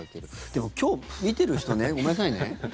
でも今日見てる人、ごめんなさいね。